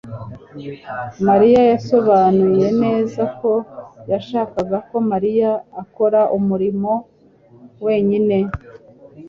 mariya yasobanuye neza ko yashakaga ko Mariya akora umurimo wenyine